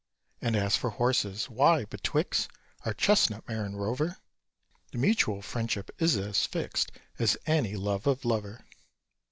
And as for horses, why, betwixt Our chestnut mare and Rover The mutual friendship is as fixed As any love of lover.